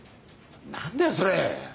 何だよそれ。